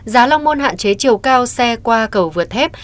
giá long môn hạn chế chiều cao xe qua cầu vượt thép